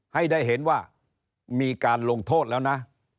ให้ได้เห็นว่ามีการลงโทษแล้วนะ